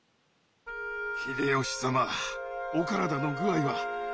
秀吉様お体の具合は？